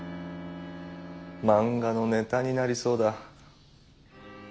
漫画のネタになりそうだ。